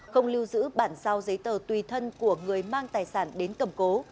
không lưu giữ bản sao giấy tờ tùy thân của người mang tài sản đến cầm cố